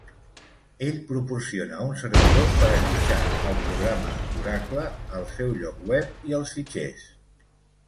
Ell proporciona un servidor per allotjar el programa d'Oracle, el seu lloc web i els fitxers.